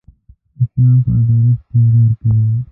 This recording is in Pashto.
اسلام پر عدالت ټینګار کوي.